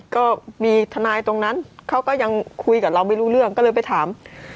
ก็มีทนายตรงนั้นเขาก็ยังคุยกับเราไม่รู้เรื่องก็เลยไปถาม